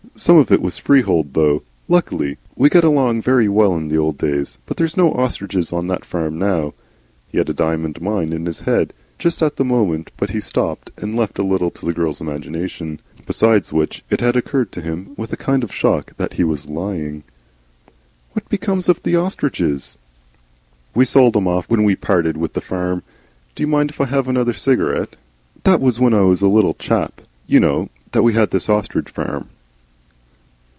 Some of it was freehold though. Luckily. We got along very well in the old days. But there's no ostriches on that farm now." He had a diamond mine in his head, just at the moment, but he stopped and left a little to the girl's imagination. Besides which it had occurred to him with a kind of shock that he was lying. "What became of the ostriches?" "We sold 'em off, when we parted with the farm. Do you mind if I have another cigarette? That was when I was quite a little chap, you know, that we had this ostrich farm."